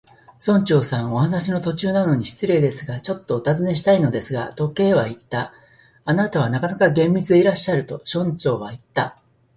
「村長さん、お話の途中なのに失礼ですが、ちょっとおたずねしたいのですが」と、Ｋ はいった。「あなたはなかなか厳密でいらっしゃる」と、村長はいった。